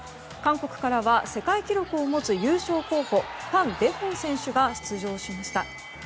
韓国からは世界記録を持つ優勝候補ファン・デホン選手が出場しました。